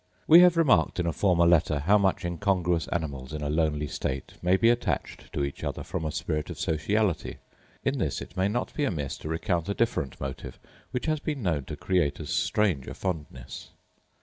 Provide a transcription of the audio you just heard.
We have remarked in a former letter how much incongruous animals, in a lonely state, may be attached to each other from a spirit of sociality; in this it may not be amiss to recount a different motive which has been known to create as strange a fondness.